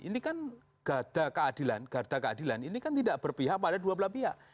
ini kan gada keadilan gada keadilan ini kan tidak berpihak pada dua belah pihak